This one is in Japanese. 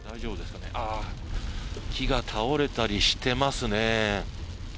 木が倒れたりしてますね。